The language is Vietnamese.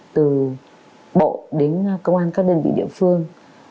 từ bộ đến công an các đơn vị địa phương